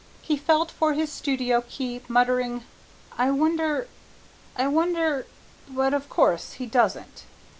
He felt for his studio key, muttering, "I wonder I wonder, but of course he doesn't!"